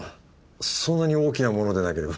そんなに大きなものでなければ。